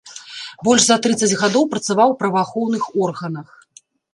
Больш за трыццаць гадоў працаваў у праваахоўных органах.